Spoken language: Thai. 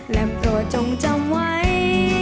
และโปรดจงจำไว้